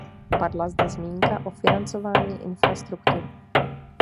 Padla zde zmínka o financování infrastruktur.